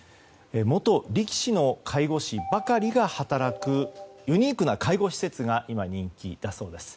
元力士の介護士ばかりが働くユニークな介護施設が今、人気だそうです。